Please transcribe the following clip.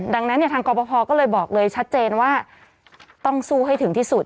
ดังนั้นเนี่ยทางกรปภก็เลยบอกเลยชัดเจนว่าต้องสู้ให้ถึงที่สุด